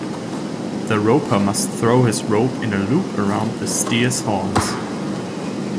The roper must throw his rope in a loop around the steer's horns.